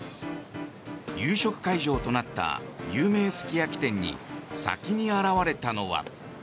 夕食会場となった有名すき焼き店に先に現れたのは。